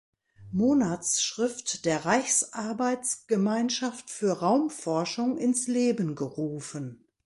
Monatsschrift der Reichsarbeitsgemeinschaft für Raumforschung" ins Leben gerufen.